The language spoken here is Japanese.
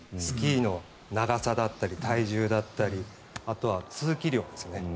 スキーの長さだったり体重だったりあとは通気量ですね。